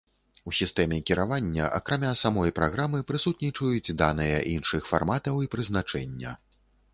У сістэме кіравання акрамя самой праграмы прысутнічаюць даныя іншых фарматаў і прызначэння.